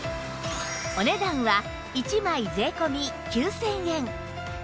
お値段は１枚税込９０００円